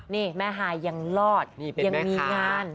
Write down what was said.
นี่แม่ฮายยังรอดยังมีงาน